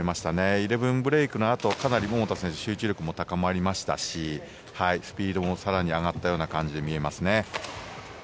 イレブンブレークのあとかなり桃田選手集中力も高まりましたしスピードも更に上がったような感じに見えますね。